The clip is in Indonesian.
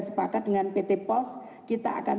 sepakat dengan pt pos kita akan